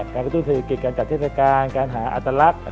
การกระตูกศิษยะกิจการหายชาติธรรมการเจ็ดอาทลักษณ์